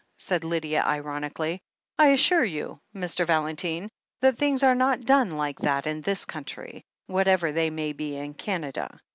said Lydia ironically. "I assure you, Mr. Valentine, that things are not done like that in this country, whatever they may be in Canada.